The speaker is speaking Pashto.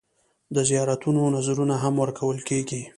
د زیارتونو نذرونه هم ورکول کېږي.